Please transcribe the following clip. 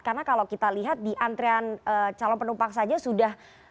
karena kalau kita lihat di antrean calon penumpang saja sudah berjalan